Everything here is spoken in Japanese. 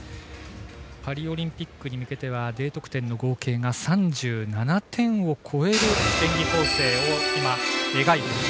パリオリンピックに向けては、Ｄ得点の合計が３７点を超える演技構成を今、描いている。